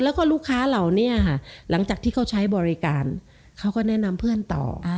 แล้วก็ลูกค้าเหล่านี้ค่ะหลังจากที่เขาใช้บริการเขาก็แนะนำเพื่อนต่อ